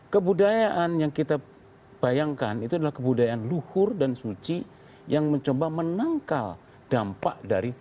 kebudayaan yang kita bayangkan itu adalah kebudayaan luhur dan suci yang mencoba menangkal dampak dari